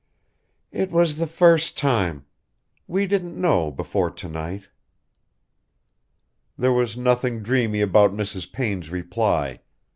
"It was the first time. We didn't know before to night." There was nothing dreamy about Mrs. Payne's reply.